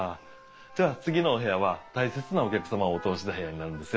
では次のお部屋は大切なお客様をお通しした部屋になるんですよ。